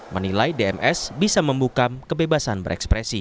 menilai dms bisa membuka kebebasan berekspresi